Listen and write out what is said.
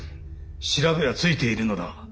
調べはついているのだ。